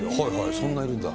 そんないるんだ？